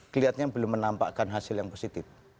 kelihatannya belum menampakkan hasil yang positif